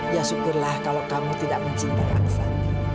ya syukurlah kalau kamu tidak mencintai bangsa